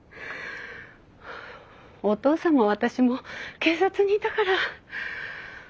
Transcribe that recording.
おとうさんも私も警察にいたから。